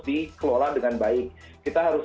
dikelola dengan baik kita harus